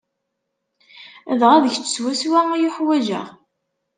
Dɣa d kecc swaswa ay ḥwajeɣ.